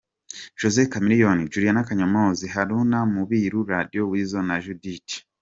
Jose Chameleone, Julian Kanyonmozi, Haruna Mubiru, Radio&Weasel, Judith